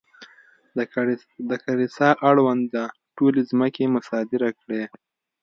د کلیسا اړونده ټولې ځمکې مصادره کړې.